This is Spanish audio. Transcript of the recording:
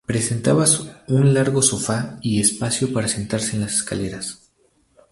Presentaba un largo sofá y espacio para sentarse en las escaleras.